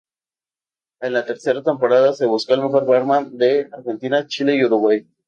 En la tercera temporada, se buscó al mejor barman de Argentina, Chile y Uruguay.